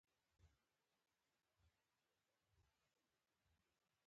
فقره د لیکني نظم جوړوي.